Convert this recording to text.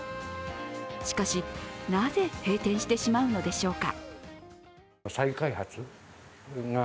しかし、なぜ閉店してしまうのでしょうか。